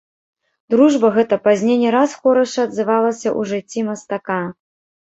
Дружба гэта пазней не раз хораша адзывалася ў жыцці мастака.